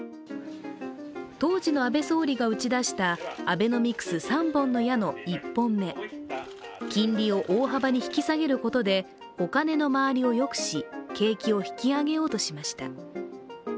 当時の安倍総理が打ち出したアベノミクス・三本の矢の一本目、金利を大幅に引き下げることでお金の回りをよくし景気を引き上げようとしました。